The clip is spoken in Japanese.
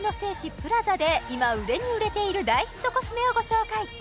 ＰＬＡＺＡで今売れに売れている大ヒットコスメをご紹介